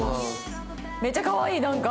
めっちゃかわいいなんか。